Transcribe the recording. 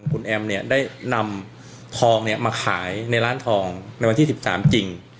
คุณแอมเนี่ยได้นำทองมาขายในร้านทองในวันที่๑๓จริง